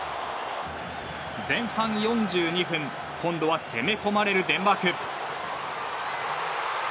前半４２分、今度は攻め込まれるデンマーク。